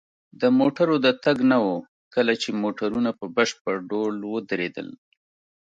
د موټرو د تګ نه وه، کله چې موټرونه په بشپړ ډول ودرېدل.